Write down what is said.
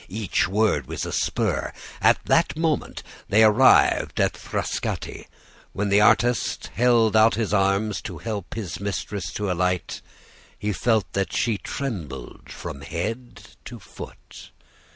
Each word was a spur. At that moment, they arrived at Frascati. When the artist held out his arms to help his mistress to alight, he felt that she trembled from head to foot.